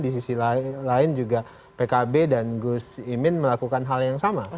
di sisi lain juga pkb dan gus imin melakukan hal yang sama